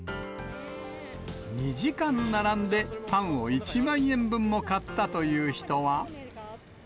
２時間並んでパンを１万円分も買ったという人は。